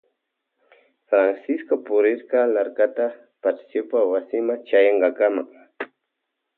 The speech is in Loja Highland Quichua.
Francisco purirka larkata Patriciopa wasima chayankakama.